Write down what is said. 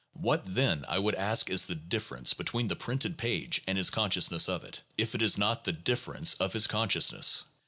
What, then, I would ask, is the difference between the printed page and his consciousness of it, if it is not the differ ence of his consciousness?